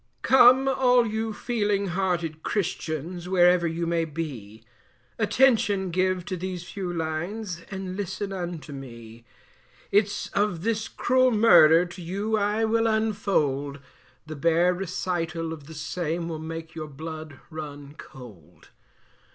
Come all you feeling hearted christians, wherever you may be, Attention give to these few lines, and listen unto me; Its of this cruel murder, to you I will unfold, The bare recital of the same will make your blood run cold.